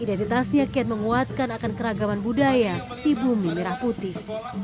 identitasnya kian menguatkan akan keragaman budaya di bumi merah putih